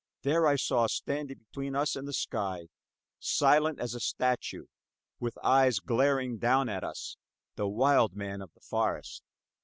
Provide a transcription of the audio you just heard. There I saw, standing between us and the sky, silent as a statue, with eyes glaring down at us the wild man of the forest.